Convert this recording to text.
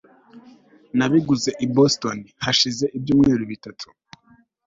nabiguze i boston hashize ibyumweru bitatu